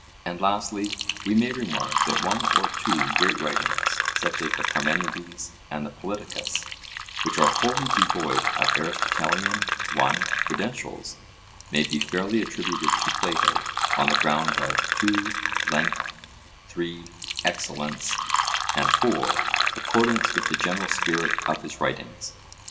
And lastly, we may remark that one or two great writings, such as the Parmenides and the Politicus, which are wholly devoid of Aristotelian (1) credentials may be fairly attributed to Plato, on the ground of (2) length, (3) excellence, and (4) accordance with the general spirit of his writings.